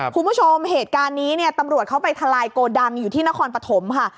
คุณผู้ชมเหตุการณ์นี้เนี่ยตำรวจเขาไปทลายโกดังอยู่ที่นครปฐมค่ะ